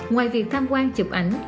ngoài việc tham quan chụp ảnh